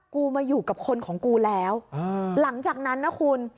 กูมาอยู่กับคนของกูแล้วหลังจากนั้นนะคุณ